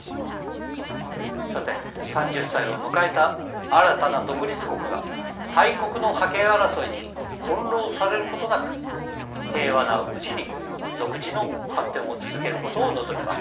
さて３０歳を迎えた新たな独立国が大国の覇権争いに翻弄されることなく平和なうちに、独自の発展を続けることを望みます。